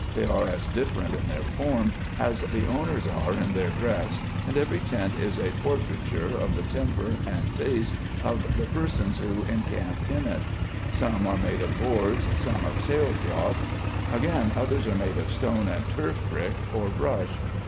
They are as different in their form as the owners are in their dress and every tent is a portraiture of the temper and taste of the persons who encamp in it. Some are made of boards, some of sail cloth, again others are made of stone and turf brick or brush.